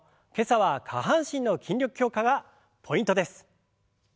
今朝は下半身の筋力強化がポイントです。